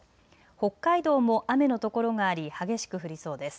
北海道も雨の所があり激しく降りそうです。